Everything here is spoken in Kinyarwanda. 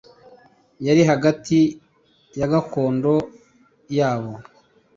yari hagati ya gakondo ya bo